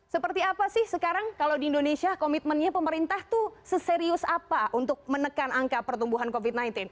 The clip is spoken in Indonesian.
seperti apa sih sekarang kalau di indonesia komitmennya pemerintah tuh seserius apa untuk menekan angka pertumbuhan covid sembilan belas